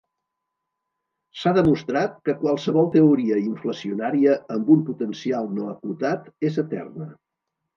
S'ha demostrat que qualsevol teoria inflacionària amb un potencial no acotat és eterna.